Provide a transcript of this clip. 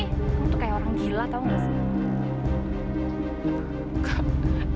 kamu tuh kayak orang gila tau gak sih